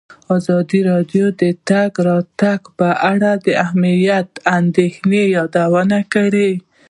ازادي راډیو د د تګ راتګ ازادي په اړه د امنیتي اندېښنو یادونه کړې.